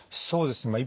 そうですね。